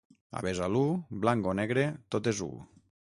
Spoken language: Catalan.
A Besalú, blanc o negre tot és u.